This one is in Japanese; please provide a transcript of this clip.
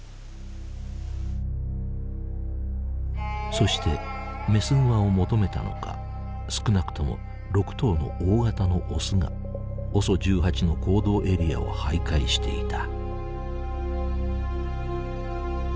そしてメスグマを求めたのか少なくとも６頭の大型のオスがＯＳＯ１８の行動エリアを徘徊していた。